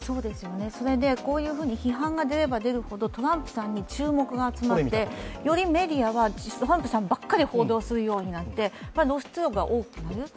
こういうふうに批判が出るほどトランプさんに注目が集まってよりメディアはトランプさんばかり報道するようになって、露出度が多くなる。